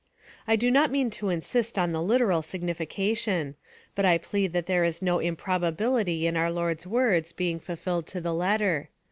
I do not mean to insist on the literal signification, but I plead that there is no improbability in our Lord's words being fulfilled to the letter.